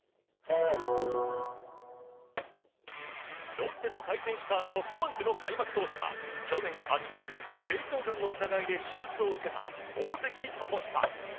ロッテと対戦したソフトバンクの開幕投手は去年８月精巣がんの疑いで手術を受けた大関友久。